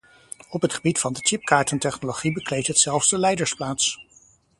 Op het gebied van de chipkaartentechnologie bekleedt het zelfs de leidersplaats.